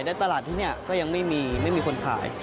และตลาดที่นี่ก็ยังไม่มีไม่มีคนขาย